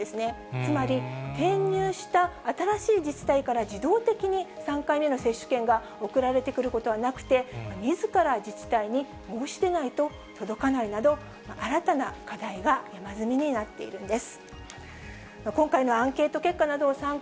つまり、転入した新しい自治体から、自動的に３回目の接種券が送られてくることはなくて、みずから自治体に申し出ないと届かないなど、新たな課題が山積みになっているんです。